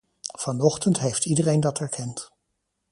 Vanochtend heeft iedereen dat erkend.